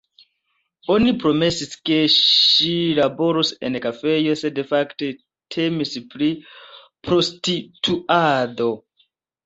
Oni promesis, ke ŝi laboros en kafejo, sed fakte temis pri prostituado.